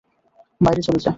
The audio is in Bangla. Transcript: বাইরে চলে যা।